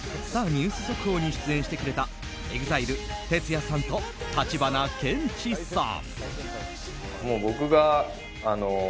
ニュース速報に出演してくれたＥＸＩＬＥＴＥＴＳＵＹＡさんと橘ケンチさん。